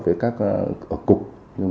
với các cục